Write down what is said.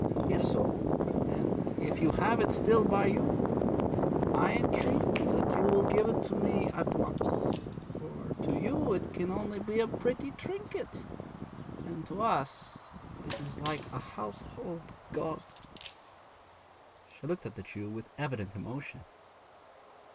If so, and if you have it still by you, I entreat that you will give it to me at once, for to you it can only be a pretty trinket, and to us it is like a household god.' She looked at the Jew with evident emotion.